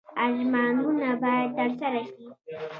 ارمانونه باید ترسره شي